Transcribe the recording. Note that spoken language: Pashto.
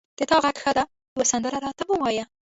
د تا غږ ښه ده یوه سندره را ته ووایه